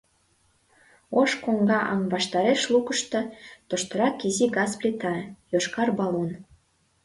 Ош коҥга аҥ ваштареш лукышто — тоштырак изи газ плита, йошкар баллон.